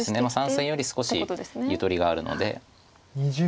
３線より少しゆとりがあるので。